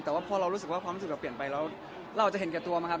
แต่ว่าพอเรารู้สึกว่าความรู้สึกเราเปลี่ยนไปแล้วเราจะเห็นแก่ตัวไหมครับ